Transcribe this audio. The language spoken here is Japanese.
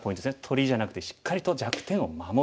取りじゃなくてしっかりと弱点を守る。